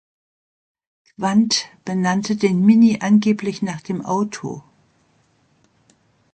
Quant benannte den Mini angeblich nach dem Auto.